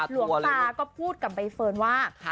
หลวงตาก็พูดกับใบเฟิร์นว่า